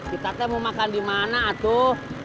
kita kan mau makan dimana atuh